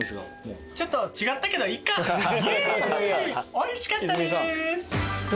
おいしかったです。